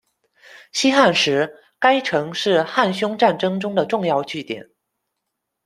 西汉时，该城是汉匈战争中的重要据点。